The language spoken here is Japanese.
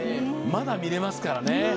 まだ見られますからね。